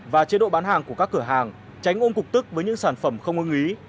và chế độ bán hàng của các cửa hàng tránh ôm cục tức với những sản phẩm không uống ý